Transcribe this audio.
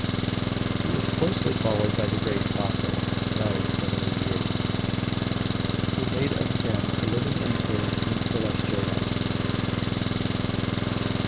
He is closely followed by the great Baso(died 788) who made of Zen a living influence in Celestial life.